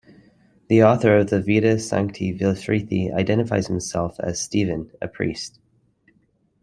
The author of the "Vita Sancti Wilfrithi" identifies himself as "Stephen, a priest".